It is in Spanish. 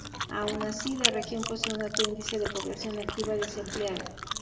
Aun así, la región pose un alto índice de población activa desempleada.